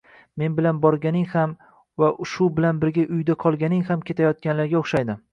Men bilan borging ham va shu bilan birga uyda qolging ham kelayotganga o‘xshaydi”.